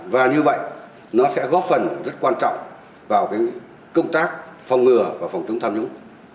và như vậy nó sẽ góp phần rất quan trọng vào công tác phòng ngừa và phòng chống tham nhũng